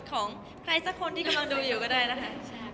ของใครสักคนที่กำลังดูอยู่ก็ได้นะคะ